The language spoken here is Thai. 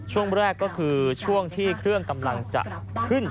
ช่วงแรกก็คือช่วงที่เครื่องกำลังจะขึ้น